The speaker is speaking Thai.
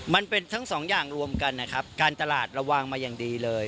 มันเป็นทั้งสองอย่างรวมกันนะครับการตลาดระวังมาอย่างดีเลย